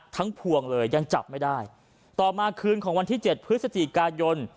พวงเลยยังจับไม่ได้ต่อมาคืนของวันที่เจ็ดพฤศจิกายน